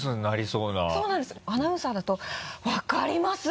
そうなんですアナウンサーだと「分かります！」